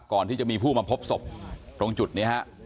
ก่อนที่จะมีผู้มาพบศพตรงจุดนี้ฮะ